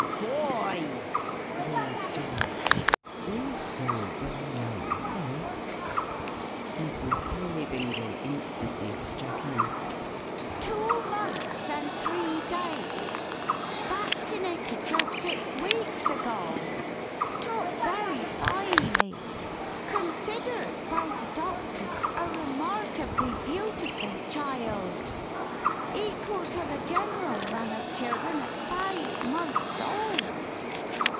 "Bo o oy!" roared John. "Also very young, eh?" Mrs. Peerybingle instantly struck in. "Two months and three da ays! Vaccinated just six weeks ago o! Took very fine ly! Considered, by the doctor, a remarkably beautiful chi ild! Equal to the general run of children at five months o old!